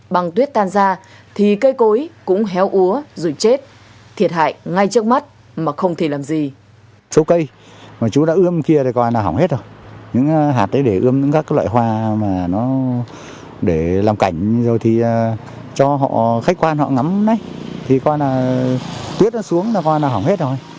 bằng tuyết tan ra thì cây cối cũng héo úa rồi chết thiệt hại ngay trước mắt mà không thể làm gì